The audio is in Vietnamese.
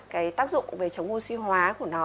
cái tác dụng về chống oxy hóa của nó